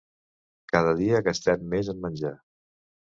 Cada dia gastem més en menjar.